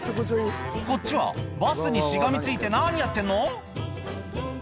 こっちはバスにしがみついて何やってんの？